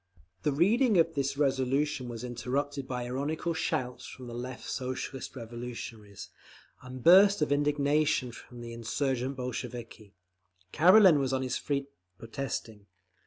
The reading of this resolution was interrupted by ironical shouts from the Left Socialist Revolutionaries, and bursts of indignation from the insurgent Bolsheviki. Karelin was on his feet, protesting.